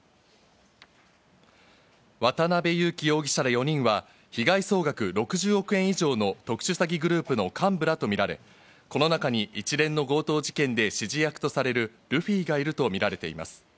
渡辺優樹容疑者ら４人は被害総額６０億円以上の特殊詐欺グループの幹部らとみられ、この中に一連の強盗事件で指示役とされるルフィがいるとみられています。